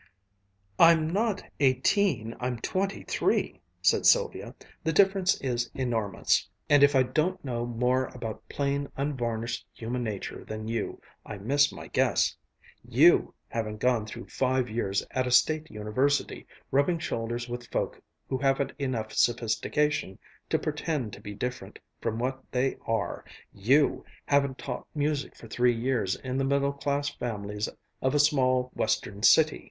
"I'm not eighteen, I'm twenty three," said Sylvia. "The difference is enormous. And if I don't know more about plain unvarnished human nature than you, I miss my guess! You haven't gone through five years at a State University, rubbing shoulders with folks who haven't enough sophistication to pretend to be different from what they are. You haven't taught music for three years in the middle class families of a small Western city!"